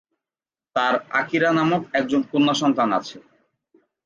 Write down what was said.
তাদের আকিরা নামক একজন কন্যাসন্তান আছেন।